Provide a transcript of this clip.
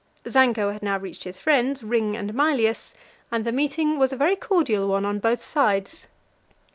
Zanko had now reached his friends, Ring and Mylius, and the meeting was a very cordial one on both sides.